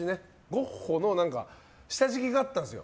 ゴッホの下敷きがあったんです。